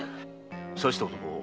刺した男